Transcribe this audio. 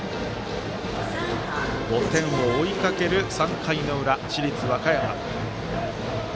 ５点を追いかける３回の裏市立和歌山。